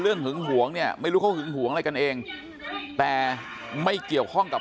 หึงหวงเนี่ยไม่รู้เขาหึงหวงอะไรกันเองแต่ไม่เกี่ยวข้องกับ